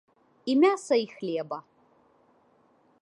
І мяса і хлеба.